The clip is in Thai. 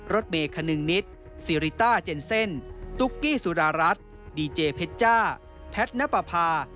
รถเมย์คนึงนิดซีริต้าเจนเซ่นตุ๊กกี้สุดารัฐดีเจเพชจ้าแพทนปภา